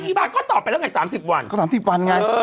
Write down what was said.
อ้าวอีบ้าก็ตอบไปแล้วไงสามสิบวันก็สามสิบวันไงเออ